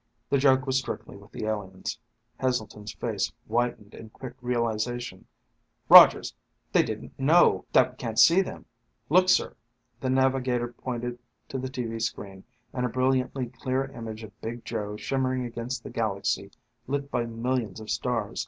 The joke was strictly with the aliens. Heselton's face whitened in quick realization. "Rogers! They didn't know that we can't see them!" "Look, sir." The navigator pointed to the tv screen and a brilliantly clear image of Big Joe shimmering against the galaxy, lit by millions of stars.